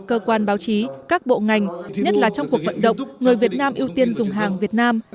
cơ quan báo chí các bộ ngành nhất là trong cuộc vận động người việt nam ưu tiên dùng hàng việt nam